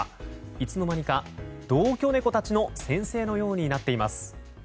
いつのまにか、同居猫たちの先生のようになっています。